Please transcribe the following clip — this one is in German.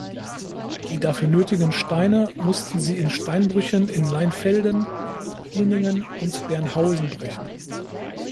Die dafür nötigen Steine mussten sie in Steinbrüchen in Leinfelden, Plieningen und Bernhausen brechen.